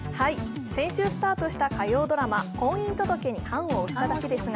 先週スタートした火曜ドラマ「婚姻届に判を捺しただけですが」